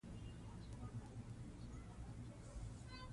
عقل د قوانینو یوازنۍ سرچینه او د الهي وحي څخه انکار کول دي.